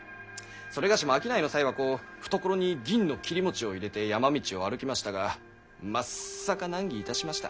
某も商いの際はこう懐に銀の切を入れて山道を歩きましたがまっさか難儀いたしました。